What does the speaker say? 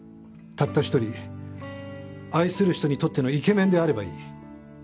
たった一人愛する人にとってのイケメンであればいい。